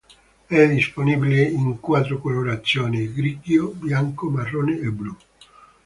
È disponibile in quattro colorazioni, grigio, bianco, marrone e blu.